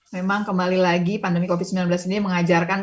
memang kembali lagi pandemi covid sembilan belas ini mengajarkan